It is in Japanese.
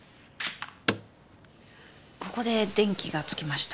ここで電気が点きました。